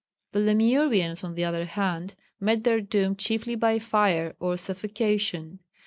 The Lemurians, on the other hand, met their doom chiefly by fire or suffocation.